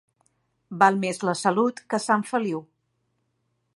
Val més la Salut que Sant Feliu.